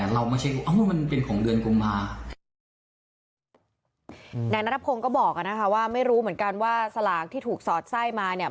เรามาเช็คอ้าวมันเป็นของเดือนกลุ่มภาคม